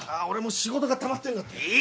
俺も仕事がたまってんだった。